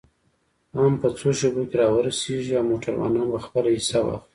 هم په څو شیبو کې را ورسېږي او موټروانان به خپله حصه واخلي.